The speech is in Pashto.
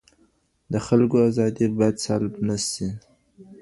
د خلګو ازادي باید سلب نه سي.